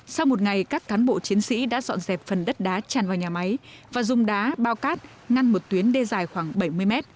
sau một ngày các cán bộ chiến sĩ đã dọn dẹp phần đất đá tràn vào nhà máy và dùng đá bao cát ngăn một tuyến đê dài khoảng bảy mươi mét